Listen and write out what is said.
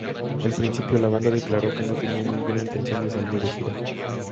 Al principio, la banda declaró que no tenían ninguna intención de salir de gira.